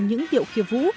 những điệu khiêu vũ